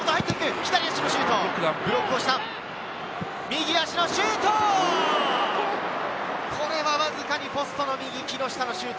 左足のシュート！